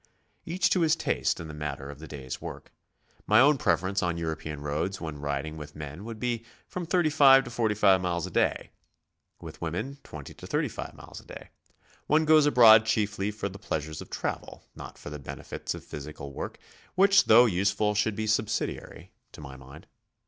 Each to his taste in the matter of the day's work. My own preference on European roads when riding wi'th men would be from 35 to 45 miles a day; with w'omen, 20 to 35 miles a day. One goes abroad chiefly for the pleasures of travel, not for the benefits of physical work, which though useful, should be subsidiary, to my mind.